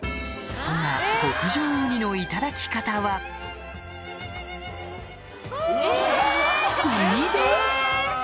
そんな極上ウニのいただき方はウニ丼！